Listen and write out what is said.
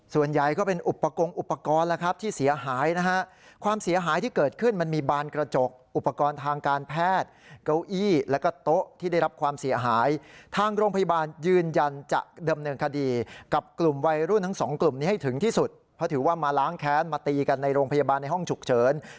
ส่วนใหญ่ก็เป็นอุปกรณ์อุปกรณ์แล้วครับที่เสียหายนะฮะความเสียหายที่เกิดขึ้นมันมีบานกระจกอุปกรณ์ทางการแพทย์เก้าอี้แล้วก็โต๊ะที่ได้รับความเสียหายทางโรงพยาบาลยืนยันจะเดิมเนินคดีกับกลุ่มวัยรุ่นทั้งสองกลุ่มนี้ให้ถึงที่สุดเพราะถือว่ามาล้างแค้นมาตีกันในโรงพยาบาลในห้องฉุกเฉิน